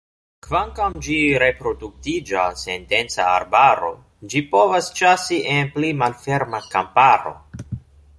Kvankam ĝi reproduktiĝas en densa arbaro, ĝi povas ĉasi en pli malferma kamparo.